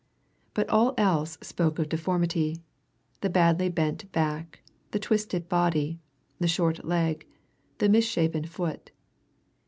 But all else spoke of deformity the badly bent back, the twisted body, the short leg, the misshapen foot.